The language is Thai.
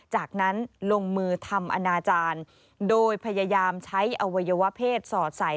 จากนั้นลงมือทำอนาจารย์โดยพยายามใช้อวัยวะเพศสอดใส่